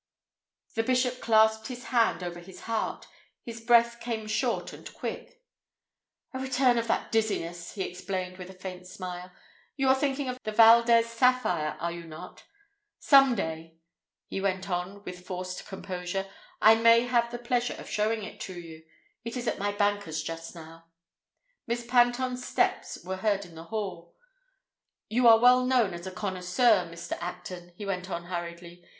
The bishop clasped his hand over his heart. His breath came short and quick. "A return of that dizziness," he explained with a faint smile. "You are thinking of the Valdez sapphire, are you not? Some day," he went on with forced composure, "I may have the pleasure of showing it to you. It is at my banker's just now." Miss Panton's steps were heard in the hall. "You are well known as a connoisseur, Mr. Acton," he went on hurriedly.